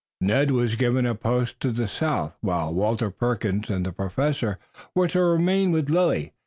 Ned was given a post to the south, while Walter Perkins and the Professor were to remain with Lilly.